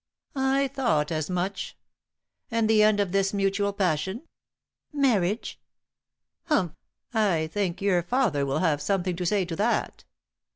"I thought as much. And the end of this mutual passion?" "Marriage?" "Humph! I think your father will have something to say to that."